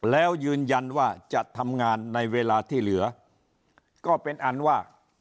แล้วยืนยันว่าจะทำงานในเวลาที่เหลือก็เป็นอันว่า